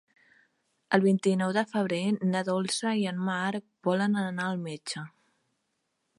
El vint-i-nou de febrer na Dolça i en Marc volen anar al metge.